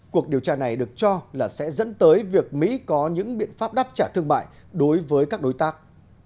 cuộc điều tra này được cho là sẽ dẫn tới việc mỹ có những biện pháp đáp trả thương mại đối với các đối tác